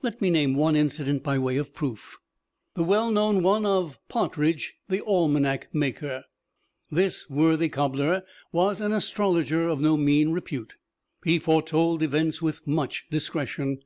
Let me name one incident by way of proof the well known one of Partridge, the almanac maker. This worthy cobbler was an astrologer of no mean repute. He foretold events with much discretion.